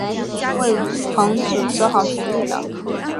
魏桓子只好同意了。